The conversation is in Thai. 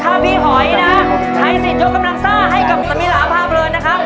ถ้าพี่หอยนะใช้สิทธิ์ยกกำลังซ่าให้กับสมิลาพาเพลินนะครับ